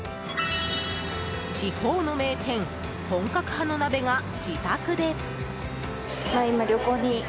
地方の名店、本格派の鍋が自宅で。